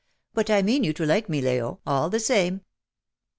But I mean you to like me, Leo, all the same."